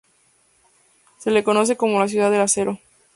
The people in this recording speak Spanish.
Se la conoce como la "Ciudad del acero".